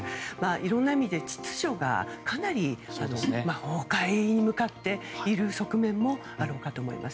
いろんな意味で秩序がかなり崩壊に向かっている側面もあるかと思います。